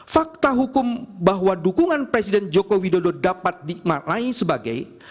fakta hukum bahwa dukungan presiden joko widodo dapat dimaknai sebagai